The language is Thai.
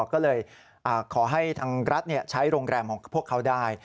ก็เลยขอให้ทางรัฐใช้โรงแรมของพวกเขาได้